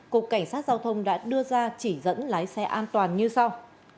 cục cảnh sát giao thông đã đưa ra chỉ dẫn lái xe an toàn như sau